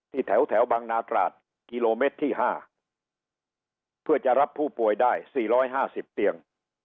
ที่แถวแถวบังนาฏราศกิโลเมตรที่ห้าเพื่อจะรับผู้ป่วยได้สี่ร้อยห้าสิบเตียง